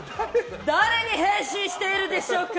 誰に変身してるでしょうか？